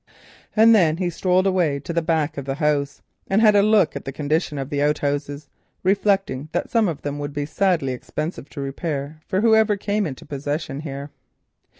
And then he strolled away to the back of the house and had a look at the condition of the outhouses, reflecting that some of them would be sadly expensive to repair for whoever came into possession here.